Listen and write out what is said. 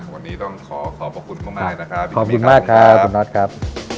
วันนี้ต้องขอบพระคุณมากมายนะครับ